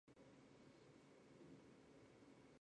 格罗沙语是一种基于语义的国际辅助语。